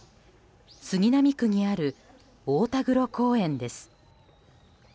杉並区にある大田黒公園です。